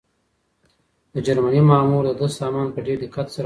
د جرمني مامور د ده سامان په ډېر دقت سره وڅاره.